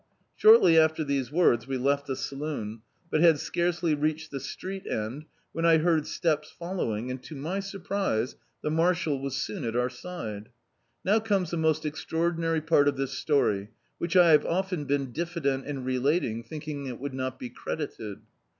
Shortly after these words we left the saloon, but bad scarcely reached the street end, when I heard steps following, and to my surprise, the marshal was soon at our side. Now comes the most extraordinary part of this story, which I have often been difBdent in relating, thinking it would not be credited.